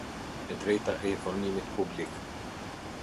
E drejta e informimit publik.